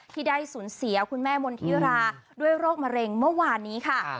ที่ได้สูญเสียคุณแม่มณฑิราด้วยโรคมะเร็งเมื่อวานนี้ค่ะ